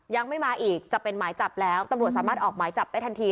ยังไม่มาอีกจะเป็นหมายจับแล้วตำรวจสามารถออกหมายจับได้ทันที